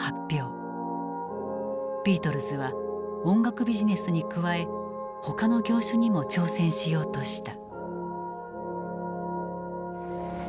ビートルズは音楽ビジネスに加え他の業種にも挑戦しようとした。